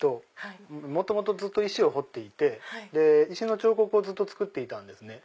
元々石を彫っていて石の彫刻をずっと作っていたんですね。